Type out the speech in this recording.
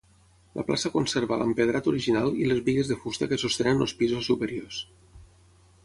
La plaça conserva l'empedrat original i les bigues de fusta que sostenen els pisos superiors.